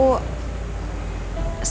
sebelum roy meninggal